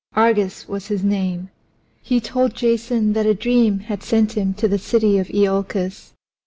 Argus was his name. He told Jason that a dream had sent him to the city of Iolcus.